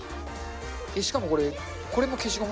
しかもこれ、これも消しゴム